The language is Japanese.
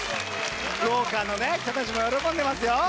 福岡の方たちも喜んでますよ！